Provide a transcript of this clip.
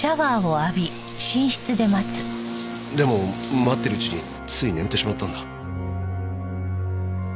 でも待ってるうちについ眠ってしまったんだ。